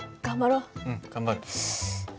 うん頑張る。